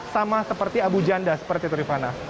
sama seperti abu janda seperti itu rifana